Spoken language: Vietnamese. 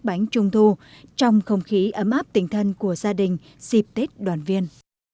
bánh trung thu trong không khí ấm áp tình thân của gia đình dịp tết đoàn viên